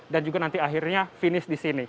dan juga nanti akhirnya finish disini